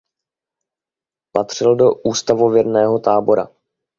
Patřil do ústavověrného tábora.